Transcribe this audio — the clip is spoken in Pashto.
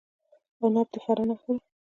عناب د فراه نښه ده.